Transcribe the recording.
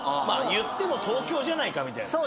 いっても東京じゃないかみたいなね。